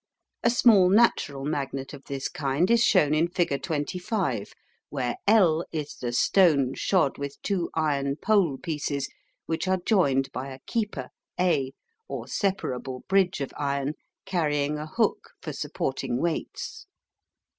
A small natural magnet of this kind is shown in figure 25, where L is the stone shod with two iron "pole pieces," which are joined by a "keeper" A or separable bridge of iron carrying a hook for supporting weights.